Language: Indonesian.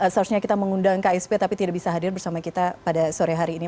seharusnya kita mengundang ksp tapi tidak bisa hadir bersama kita pada sore hari ini